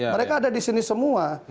mereka ada di sini semua